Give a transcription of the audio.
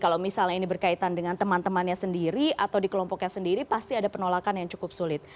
kalau misalnya ini berkaitan dengan teman temannya sendiri atau di kelompoknya sendiri pasti ada penolakan yang cukup sulit